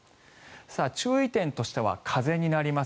注意点としては風になります。